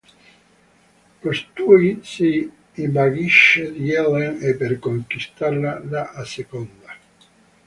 Costui si invaghisce di Ellen e, per conquistarla, la asseconda.